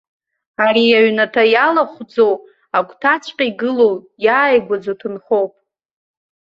Ари, аҩнаҭа иалахәӡоу, агәҭаҵәҟьа игылоу, иааигәаӡоу ҭынхоуп.